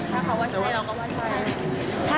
ถ้าเขาว่าใช่เราก็ว่าใช่